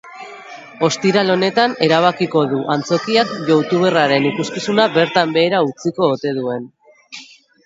Ostiral honetan erabakiko du antzokiak youtuberraren ikuskizuna bertan behera utziko ote duen.